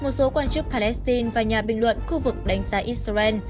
một số quan chức palestine và nhà bình luận khu vực đánh giá israel